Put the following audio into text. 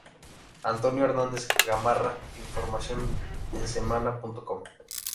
Antonio Hernández Gamarra, información en Semana.com.